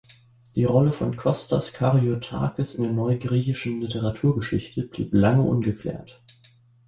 Die Rolle von Kostas Karyotakis in der neugriechischen Literaturgeschichte blieb lange ungeklärt.